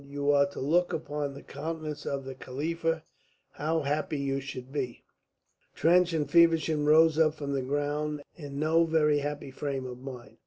"You are to look upon the countenance of the Khalifa. How happy you should be!" Trench and Feversham rose up from the ground in no very happy frame of mind.